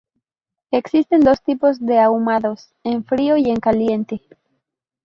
Existen dos tipos de ahumados: en frío y en caliente.